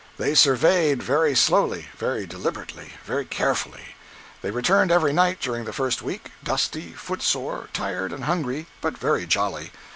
They surveyed very slowly, very deliberately, very carefully. They returned every night during the first week, dusty, footsore, tired, and hungry, but very jolly.